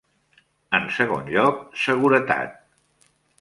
En segon lloc, seguretat.